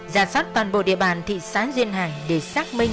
giả soát toàn bộ địa bàn thị xã duyên hải để xác minh